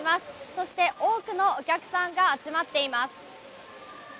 そして多くのお客さんが集まっています。